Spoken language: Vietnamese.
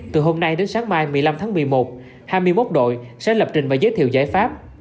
từ hôm nay đến sáng mai một mươi năm tháng một mươi một hai mươi một đội sẽ lập trình và giới thiệu giải pháp